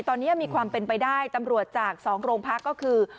ตอนนี้มีความเป็นไปได้ตำรวจจาก๒โรงพักก็คือ